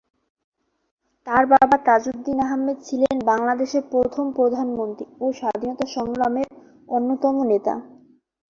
তার বাবা তাজউদ্দীন আহমদ ছিলেন বাংলাদেশের প্রথম প্রধানমন্ত্রী ও স্বাধীনতা সংগ্রামের অন্যতম নেতা।